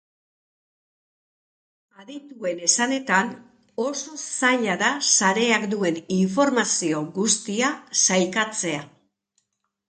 Adituen esanetan oso zaila da sareak duen informazio guztia sailkatzea.